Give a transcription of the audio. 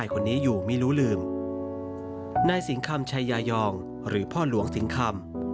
พศสิงค่ำชายาอยองหรือพ่อหลวงสิงค่ำ